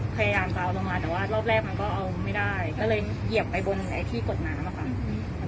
พยายามจะเอาลงมาแต่ว่ารอบแรกมันก็เอาไม่ได้ก็เลยเหยียบไปบนไอ้ที่กดน้ำอะค่ะ